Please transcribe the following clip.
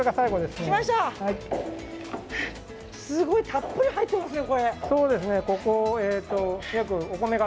すごいたっぷり入ってますね。